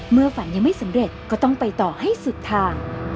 ฝันยังไม่สำเร็จก็ต้องไปต่อให้สุดทาง